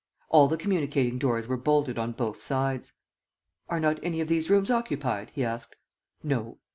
All the communicating doors were bolted on both sides. "Are not any of these rooms occupied?" he asked. "No."